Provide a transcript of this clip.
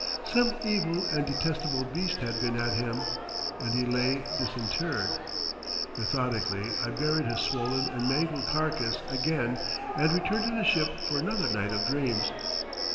Some evil and detestable beast had been at him, and he lay disinterred. Methodically I buried his swollen and mangled carcass again, and returned to the ship for another night of dreams.